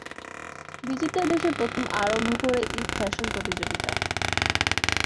বিচিত্রা দেশে প্রথম আরম্ভ করে ঈদ ফ্যাশন প্রতিযোগিতা।